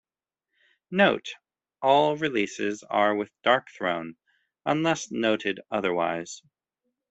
Note: All releases are with Darkthrone, unless noted otherwise.